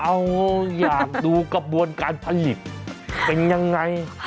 เอาอยากดูกระบวนการผลิตเป็นยังไง